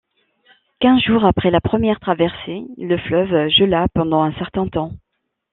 Quinze jours après la première traversée, le fleuve gela pendant un certain temps.